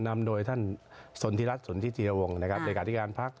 นำโดยท่านสนธิรัชน์สนธิจิโลองในกฎิการพลัคธรรม